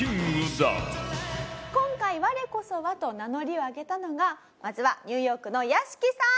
今回我こそはと名乗りを上げたのがまずはニューヨークの屋敷さん。